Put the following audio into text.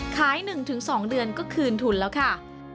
ขาย๑๒เดือนก็คืนทุนแล้วค่ะ